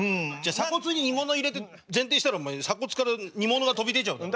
鎖骨に煮物入れて前転したら鎖骨から煮物が飛び出ちゃうだろ？